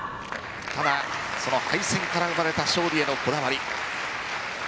ただ、その敗戦から生まれた勝負へのこだわり。